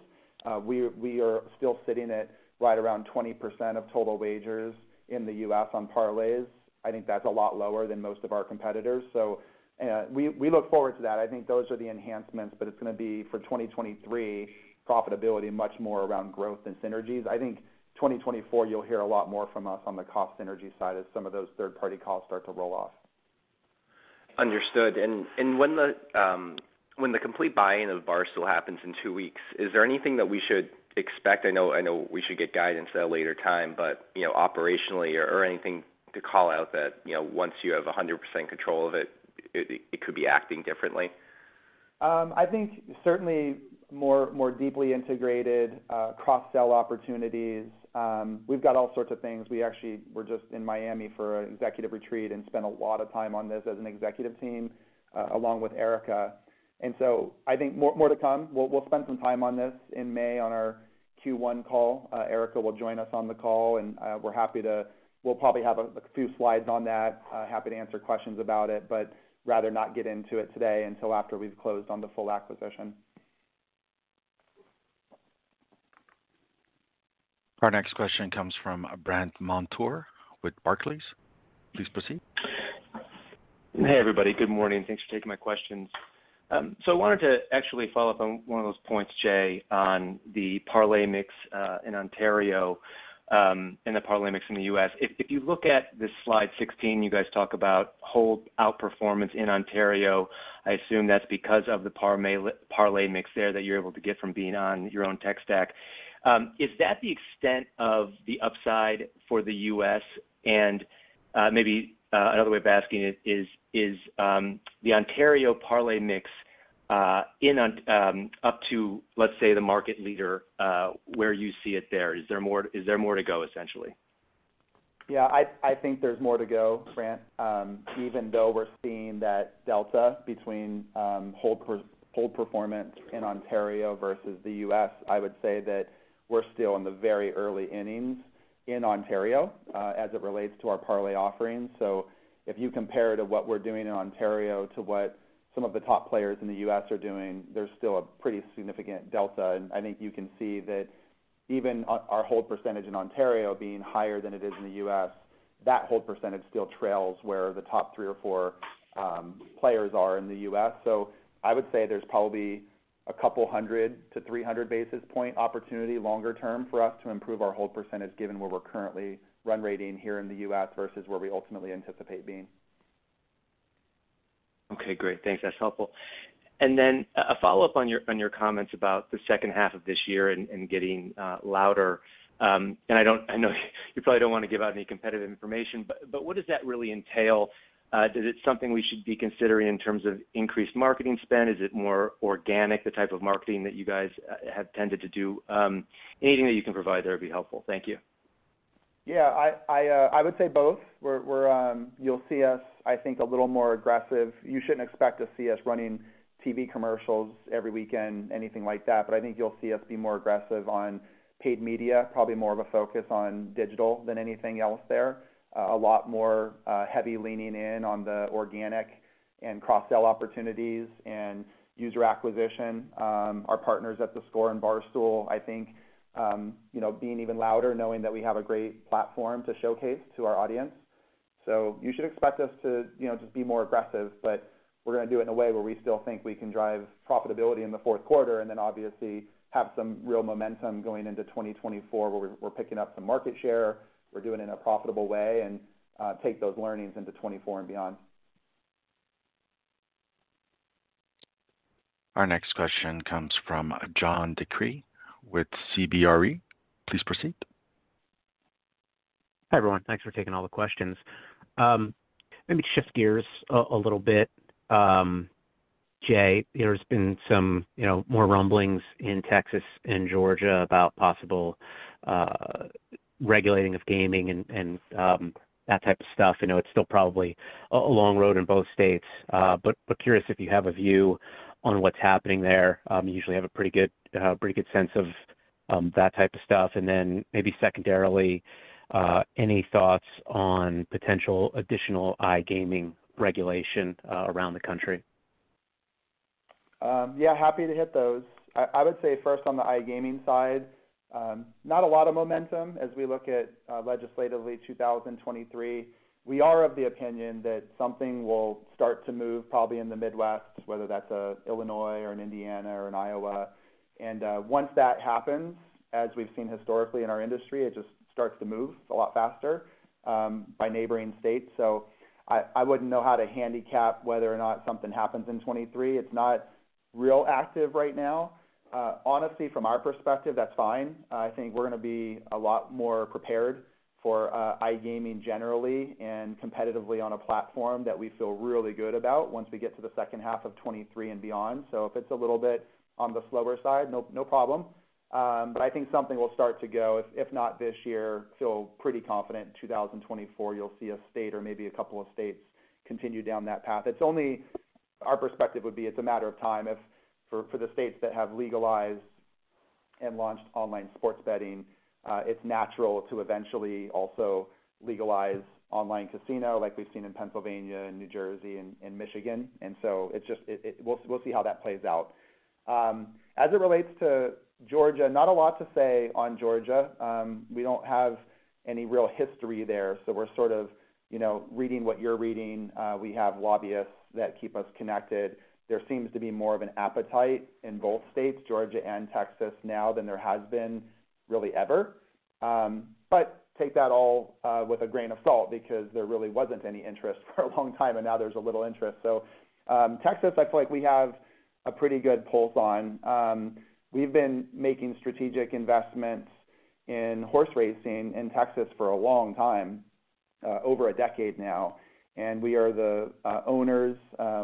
We are still sitting at right around 20% of total wagers in the U.S. on parlays. I think that's a lot lower than most of our competitors. We look forward to that. I think those are the enhancements, but it's gonna be, for 2023 profitability, much more around growth and synergies. I think 2024, you'll hear a lot more from us on the cost synergy side as some of those third-party costs start to roll off. Understood. When the, when the complete buying of Barstool happens in two weeks, is there anything that we should expect? I know, I know we should get guidance at a later time, but, you know, operationally or anything to call out that, you know, once you have 100% control of it, it could be acting differently? I think certainly more deeply integrated cross-sell opportunities. We've got all sorts of things. We actually were just in Miami for an executive retreat and spent a lot of time on this as an executive team along with Erica. I think more to come. We'll spend some time on this in May on our Q1 call. Erica will join us on the call, and we'll probably have a few slides on that. Happy to answer questions about it, but rather not get into it today until after we've closed on the full acquisition. Our next question comes from Brandt Montour with Barclays. Please proceed. Hey, everybody. Good morning. Thanks for taking my questions. I wanted to actually follow up on one of those points, Jay, on the parlay mix in Ontario and the parlay mix in the U.S. If you look at the slide 16, you guys talk about hold outperformance in Ontario. I assume that's because of the parlay mix there that you're able to get from being on your own tech stack. Is that the extent of the upside for the U.S.? Maybe another way of asking it is, the Ontario parlay mix up to, let's say, the market leader, where you see it there? Is there more to go, essentially? Yeah. I think there's more to go, Brandt. Even though we're seeing that delta between hold performance in Ontario versus the US, I would say that we're still in the very early innings in Ontario as it relates to our parlay offerings. If you compare to what we're doing in Ontario to what some of the top players in the US are doing, there's still a pretty significant delta. I think you can see that even our hold percentage in Ontario being higher than it is in the US, that hold percentage still trails where the top three or four players are in the US. I would say there's probably a 200 to 300 basis point opportunity longer term for us to improve our hold percentage given where we're currently run rating here in the U.S. versus where we ultimately anticipate being. Okay, great. Thanks. That's helpful. A follow-up on your comments about the second half of this year and getting louder. I know you probably don't wanna give out any competitive information, but what does that really entail? Is it something we should be considering in terms of increased marketing spend? Is it more organic, the type of marketing that you guys have tended to do? Anything that you can provide there would be helpful. Thank you. Yeah. I would say both. You'll see us, I think, a little more aggressive. You shouldn't expect to see us running TV commercials every weekend, anything like that. I think you'll see us be more aggressive on paid media, probably more of a focus on digital than anything else there. A lot more heavy leaning in on the organic and cross-sell opportunities and user acquisition. Our partners at theScore and Barstool, I think, you know, being even louder knowing that we have a great platform to showcase to our audience. You should expect us to, you know, just be more aggressive, but we're gonna do it in a way where we still think we can drive profitability in the fourth quarter and then obviously have some real momentum going into 2024, where we're picking up some market share, we're doing it in a profitable way and take those learnings into 2024 and beyond. Our next question comes from John DeCree with CBRE. Please proceed. Hi, everyone. Thanks for taking all the questions. Let me shift gears a little bit. Jay, there's been some, you know, more rumblings in Texas and Georgia about possible regulating of gaming and that type of stuff. I know it's still probably a long road in both states, but curious if you have a view on what's happening there. You usually have a pretty good sense of that type of stuff. Then maybe secondarily, any thoughts on potential additional iGaming regulation around the country? Yeah, happy to hit those. I would say first on the iGaming side, not a lot of momentum as we look at legislatively 2023. We are of the opinion that something will start to move probably in the Midwest, whether that's Illinois or in Indiana or in Iowa. Once that happens, as we've seen historically in our industry, it just starts to move a lot faster by neighboring states. I wouldn't know how to handicap whether or not something happens in 2023. It's not real active right now. Honestly, from our perspective, that's fine. I think we're gonna be a lot more prepared for iGaming generally and competitively on a platform that we feel really good about once we get to the second half of 2023 and beyond. If it's a little bit on the slower side, no problem. I think something will start to go, if not this year, feel pretty confident 2024, you'll see a state or maybe a couple of states continue down that path. Our perspective would be it's a matter of time for the states that have legalized and launched online sports betting, it's natural to eventually also legalize online casino like we've seen in Pennsylvania and New Jersey and Michigan. We'll see how that plays out. As it relates to Georgia, not a lot to say on Georgia. We don't have any real history there, so we're sort of, you know, reading what you're reading. We have lobbyists that keep us connected. There seems to be more of an appetite in both states, Georgia and Texas, now than there has been really ever. Take that all with a grain of salt because there really wasn't any interest for a long time, and now there's a little interest. Texas, I feel like we have a pretty good pulse on. We've been making strategic investments in horse racing in Texas for a long time, over a decade now, and we are the owners.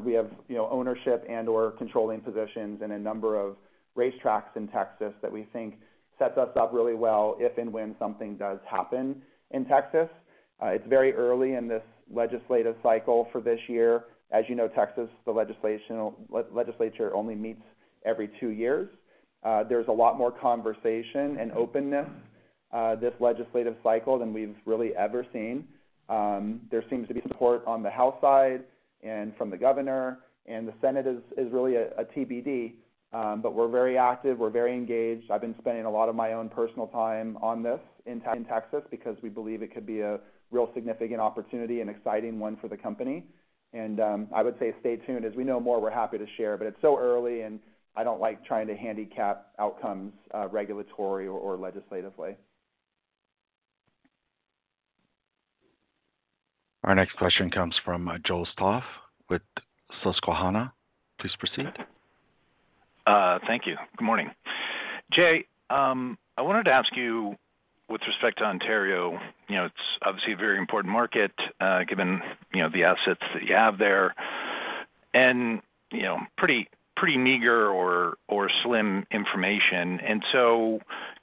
We have, you know, ownership and/or controlling positions in a number of racetracks in Texas that we think sets us up really well if and when something does happen in Texas. It's very early in this legislative cycle for this year. As you know, Texas, the legislature only meets every two years. There's a lot more conversation and openness this legislative cycle than we've really ever seen. There seems to be support on the House side and from the governor, and the Senate is really a TBD. We're very active. We're very engaged. I've been spending a lot of my own personal time on this in Texas because we believe it could be a real significant opportunity and exciting one for the company. I would say stay tuned. As we know more, we're happy to share, but it's so early, and I don't like trying to handicap outcomes, regulatory or legislatively. Our next question comes from Joseph Stauff with Susquehanna. Please proceed. Thank you. Good morning. Jay, I wanted to ask you with respect to Ontario, you know, it's obviously a very important market, given, you know, the assets that you have there, and, you know, pretty meager or slim information.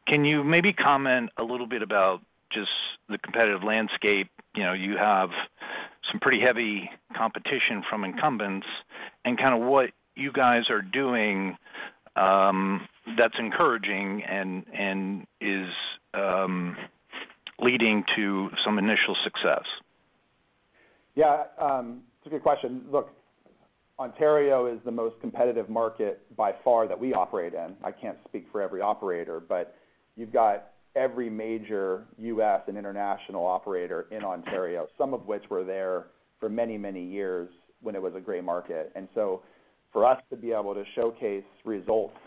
Can you maybe comment a little bit about just the competitive landscape? You know, you have some pretty heavy competition from incumbents and kinda what you guys are doing, that's encouraging and is leading to some initial success. Yeah, it's a good question. Look, Ontario is the most competitive market by far that we operate in. I can't speak for every operator, but you've got every major US and international operator in Ontario, some of which were there for many, many years when it was a gray market. For us to be able to showcase results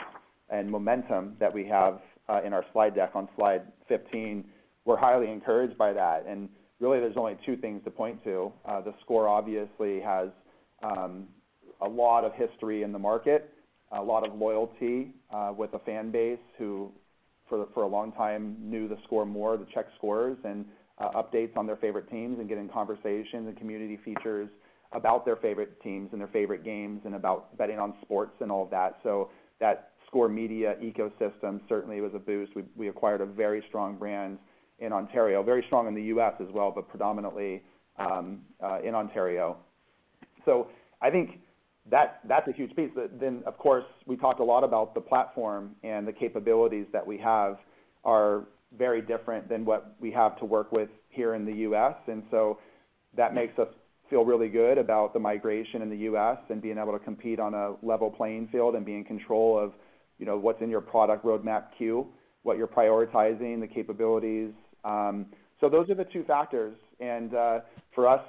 and momentum that we have, in our slide deck on slide 15, we're highly encouraged by that. Really, there's only 2 things to point to. theScore obviously has a lot of history in the market, a lot of loyalty with the fan base who for a long time knew theScore, the check scores and updates on their favorite teams and get in conversations and community features about their favorite teams and their favorite games and about betting on sports and all of that. That theScore media ecosystem certainly was a boost. We acquired a very strong brand in Ontario, very strong in the U.S. as well, but predominantly in Ontario. I think that's a huge piece. Of course, we talked a lot about the platform and the capabilities that we have are very different than what we have to work with here in the U.S. That makes us feel really good about the migration in the U.S. and being able to compete on a level playing field and be in control of, you know, what's in your product roadmap queue, what you're prioritizing, the capabilities. Those are the two factors. For us,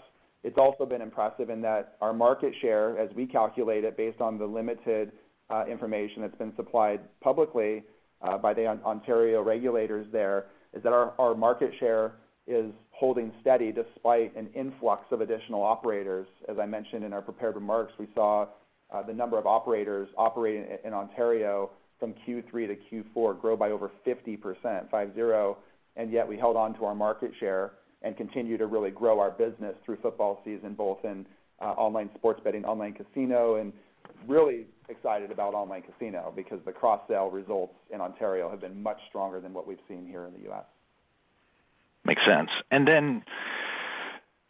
it's also been impressive in that our market share, as we calculate it based on the limited information that's been supplied publicly by the Ontario regulators there, is that our market share is holding steady despite an influx of additional operators. As I mentioned in our prepared remarks, we saw the number of operators operating in Ontario from Q3 to Q4 grow by over 50%, five zero, and yet we held on to our market share and continue to really grow our business through football season, both in online sports betting, online casino, and really excited about online casino because the cross-sell results in Ontario have been much stronger than what we've seen here in the U.S. Makes sense.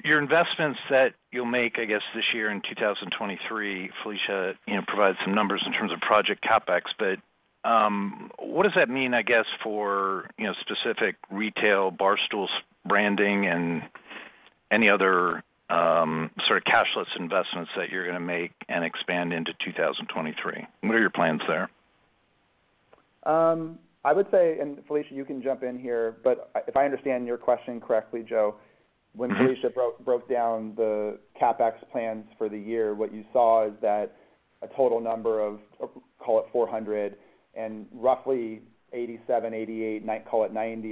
Your investments that you'll make, I guess, this year in 2023, Felicia, you know, provided some numbers in terms of project CapEx. What does that mean, I guess, for, you know, specific Barstool retail branding and any other sort of cashless investments that you're gonna make and expand into 2023? What are your plans there? I would say, Felicia, you can jump in here, but if I understand your question correctly, Joe, when Felicia broke down the CapEx plans for the year, what you saw is that a total number of, call it 490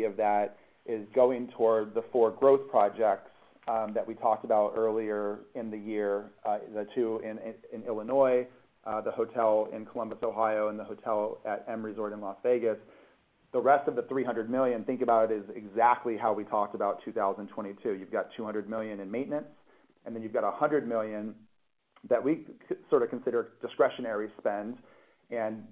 of that is going toward the four growth projects that we talked about earlier in the year, the two in Illinois, the hotel in Columbus, Ohio, and the hotel at M Resort in Las Vegas. The rest of the $300 million, think about it, is exactly how we talked about 2022. You've got $200 million in maintenance, and then you've got $100 million that we sort of consider discretionary spend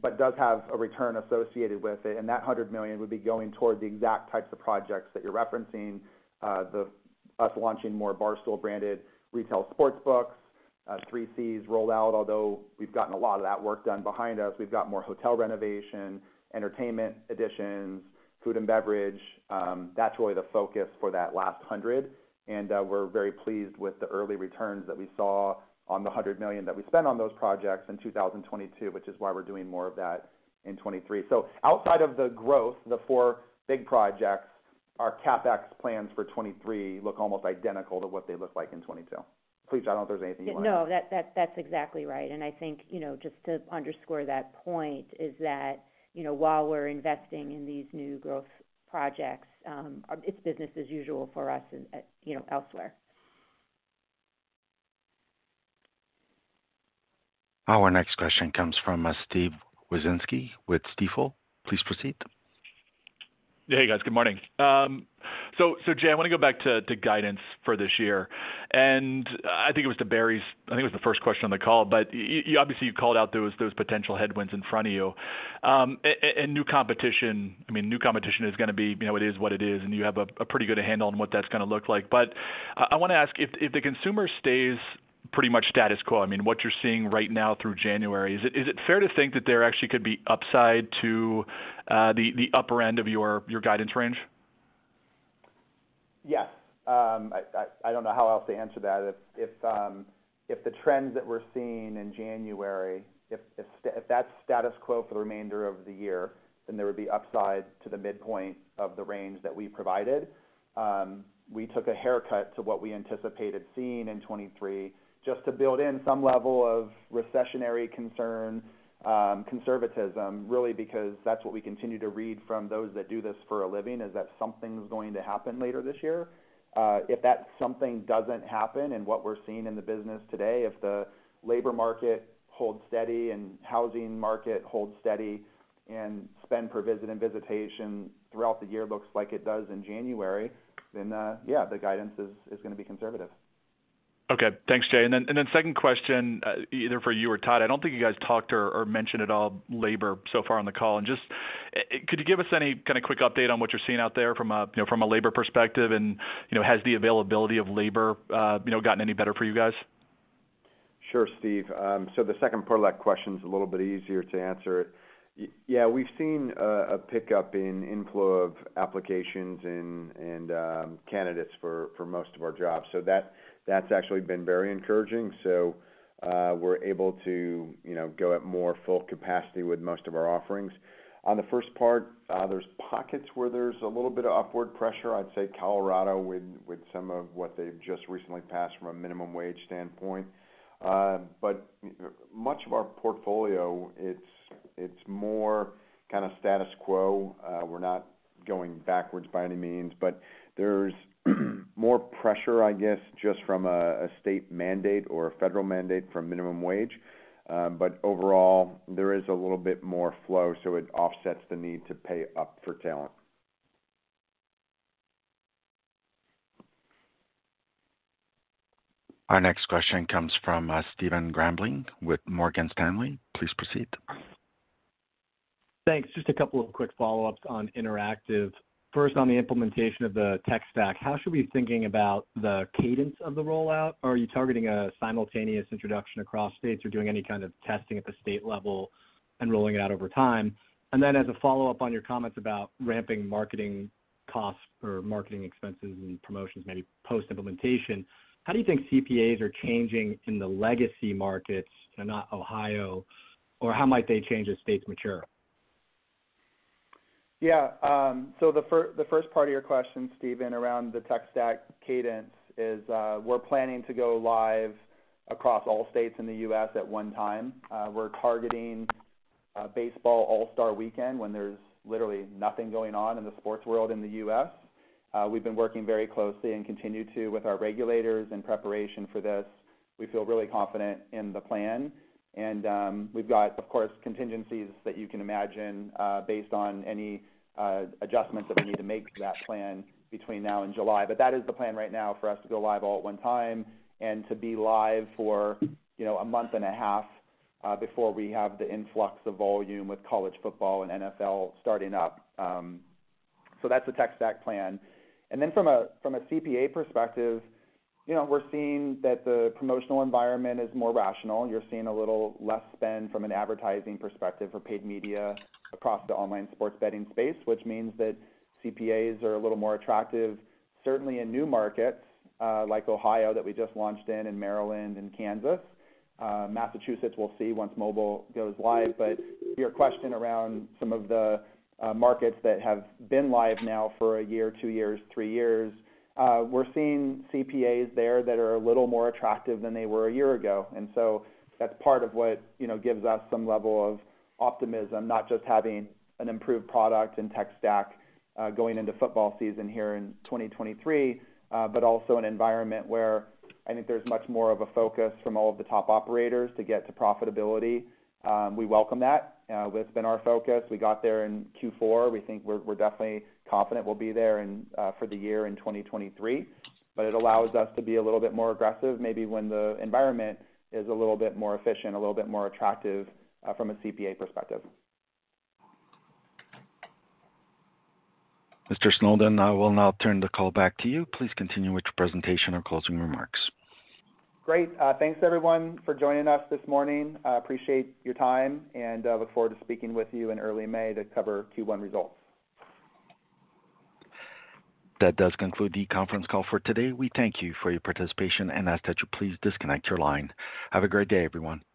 but does have a return associated with it. That $100 million would be going toward the exact types of projects that you're referencing, us launching more Barstool Retail sportsbooks, 3C's rollout. Although we've gotten a lot of that work done behind us. We've got more hotel renovation, entertainment additions, food and beverage. That's really the focus for that last $100. We're very pleased with the early returns that we saw on the $100 million that we spent on those projects in 2022, which is why we're doing more of that in 2023. Outside of the growth, the four big projects, our CapEx plans for 2023 look almost identical to what they look like in 2022. Felicia, I don't know if there's anything you want to add. No, that's exactly right. I think, you know, just to underscore that point is that, you know, while we're investing in these new growth projects, it's business as usual for us, you know, elsewhere. Our next question comes from Steven Wieczynski with Stifel. Please proceed. Hey, guys. Good morning. Jay, I wanna go back to guidance for this year. I think it was to Barry's. I think it was the first question on the call, but you obviously called out those potential headwinds in front of you. New competition, I mean, new competition is gonna be, you know, it is what it is, and you have a pretty good handle on what that's gonna look like. I wanna ask if the consumer stays pretty much status quo. I mean, what you're seeing right now through January, is it fair to think that there actually could be upside to the upper end of your guidance range? Yes. I don't know how else to answer that. If the trends that we're seeing in January, if that's status quo for the remainder of the year, then there would be upside to the midpoint of the range that we provided. We took a haircut to what we anticipated seeing in 23 just to build in some level of recessionary concern, conservatism, really because that's what we continue to read from those that do this for a living, is that something's going to happen later this year. If that something doesn't happen and what we're seeing in the business today, if the labor market holds steady and housing market holds steady and spend per visit and visitation throughout the year looks like it does in January, then, yeah, the guidance is gonna be conservative. Okay. Thanks, Jay. Then, second question, either for you or Todd. I don't think you guys talked or mentioned at all labor so far on the call. Just, could you give us any kind of quick update on what you're seeing out there from a, you know, from a labor perspective? You know, has the availability of labor, you know, gotten any better for you guys? Sure, Steve. The second part of that question's a little bit easier to answer. Yeah, we've seen a pickup in inflow of applications and candidates for most of our jobs. That's actually been very encouraging. We're able to, you know, go at more full capacity with most of our offerings. On the first part, there's pockets where there's a little bit of upward pressure. I'd say Colorado with some of what they've just recently passed from a minimum wage standpoint. Much of our portfolio, it's more kind of status quo. We're not going backwards by any means, but there's more pressure, I guess, just from a state mandate or a federal mandate for minimum wage. Overall, there is a little bit more flow, so it offsets the need to pay up for talent. Our next question comes from, Stephen Grambling with Morgan Stanley. Please proceed. Thanks. Just a couple of quick follow-ups on interactive. First, on the implementation of the tech stack, how should we be thinking about the cadence of the rollout? Are you targeting a simultaneous introduction across states or doing any kind of testing at the state level and rolling it out over time? As a follow-up on your comments about ramping marketing costs or marketing expenses and promotions maybe post-implementation, how do you think CPAs are changing in the legacy markets, so not Ohio? How might they change as states mature? The first part of your question, Stephen, around the tech stack cadence is, we're planning to go live across all states in the U.S. at one time. We're targeting baseball All-Star weekend when there's literally nothing going on in the sports world in the U.S. We've been working very closely and continue to with our regulators in preparation for this. We feel really confident in the plan. We've got, of course, contingencies that you can imagine, based on any adjustments that we need to make to that plan between now and July. That is the plan right now for us to go live all at one time and to be live for, you know, a month and a half before we have the influx of volume with college football and NFL starting up. That's the tech stack plan. From a CPA perspective, you know, we're seeing that the promotional environment is more rational. You're seeing a little less spend from an advertising perspective for paid media across the online sports betting space, which means that CPAs are a little more attractive, certainly in new markets, like Ohio that we just launched in, and Maryland and Kansas. Massachusetts, we'll see once mobile goes live. To your question around some of the markets that have been live now for 1 year, 2 years, 3 years, we're seeing CPAs there that are a little more attractive than they were a year ago. That's part of what, you know, gives us some level of optimism, not just having an improved product and tech stack, going into football season here in 2023, but also an environment where I think there's much more of a focus from all of the top operators to get to profitability. We welcome that. That's been our focus. We got there in Q4. We think we're definitely confident we'll be there for the year in 2023. It allows us to be a little bit more aggressive maybe when the environment is a little bit more efficient, a little bit more attractive, from a CPA perspective. Mr. Snowden, I will now turn the call back to you. Please continue with your presentation or closing remarks. Great. Thanks everyone for joining us this morning. I appreciate your time, and look forward to speaking with you in early May to cover Q1 results. That does conclude the conference call for today. We thank you for your participation and ask that you please disconnect your line. Have a great day, everyone.